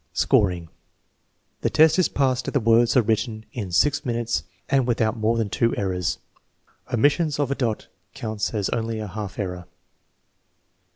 Scoring. The test is passed if the words are written in six minutes and without more than two errors. Omission of a dot counts as only a half error.